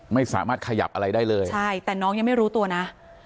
ไม่สามารถขยับอะไรได้เลยใช่แต่น้องยังไม่รู้ตัวนะ